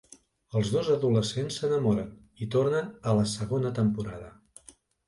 Els dos adolescents s'enamoren i torna a la segona temporada.